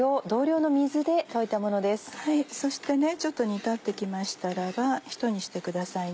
そしてちょっと煮立って来ましたらひと煮してくださいね。